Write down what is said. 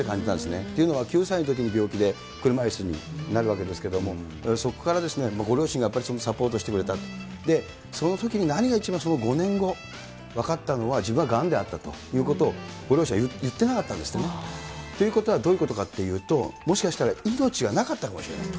っていうのは、９歳のときに病気で車いすになるわけですけれども、そこからご両親がやっぱりサポートしてくれた、そのときに何が一番５年後、分かったのは、自分はがんであったということをご両親は言ってなかったんですってね。ということはどういうことかっていうと、もしかしたら、命がなかったかもしれないと。